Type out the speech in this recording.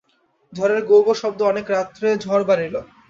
ঝড়ের গোঁ গো শব্দ, অনেক রাত্রে ঝড় বাড়িল।